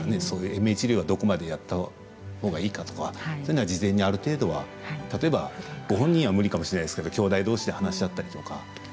そういう延命治療はどこまでやったほうがいいかとかそういうのは事前にある程度は例えば、ご本人は無理かもしれないですけれどきょうだいどうしで話し合ったりとか。